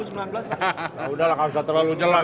udah lah kan saya terlalu jelas